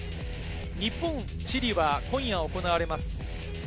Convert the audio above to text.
日本とチリは今夜行われます。